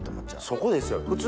そこですよ普通